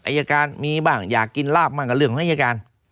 อายการมีบ้างอยากกินลาบบ้างกับเรื่องของอายการ